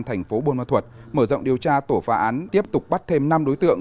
thành phố buôn ma thuật mở rộng điều tra tổ phá án tiếp tục bắt thêm năm đối tượng